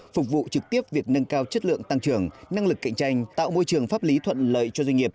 phục vụ trực tiếp việc nâng cao chất lượng tăng trưởng năng lực cạnh tranh tạo môi trường pháp lý thuận lợi cho doanh nghiệp